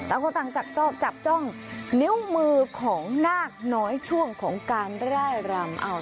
แล้วก็ต้องจับจ้องจับจ้องนิ้วมือของนาคน้อยช่วงของการได้ร่ายรำ